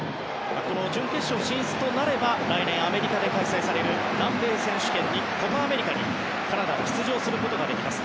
準決勝進出となれば来年、アメリカで開催される南米選手権コパ・アメリカにカナダは出場することができます。